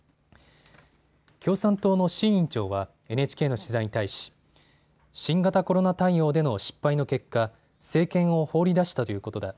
共産党の志位委員長はＮＨＫの取材に対し新型コロナ対応での失敗の結果、政権を放り出したということだ。